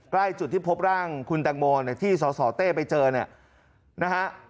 ใกล้จุดที่พบร่างคุณแตงโมเนี่ยที่สสเต้ไปเจอเนี่ยนะฮะ